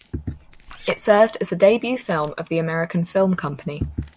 It served as the debut film of The American Film Company.